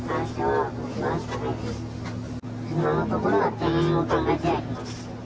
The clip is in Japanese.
今のところは転園を考えてはいます。